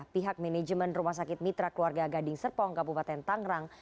pihak manajemen rumah sakit mitra keluarga gading serpong kabupaten tangerang